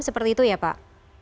seperti itu ya pak